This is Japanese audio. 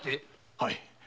はい。